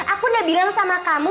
aku gak bilang sama kamu